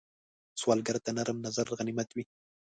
سوالګر ته نرم نظر غنیمت وي